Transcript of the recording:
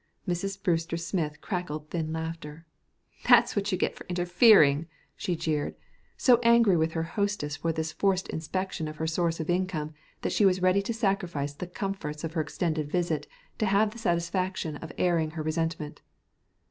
Mrs. Brewster Smith cackled thin laughter. "That's what you get for interfering," she jeered, so angry with her hostess for this forced inspection of her source of income that she was ready to sacrifice the comforts of her extended visit to have the satisfaction of airing her resentment.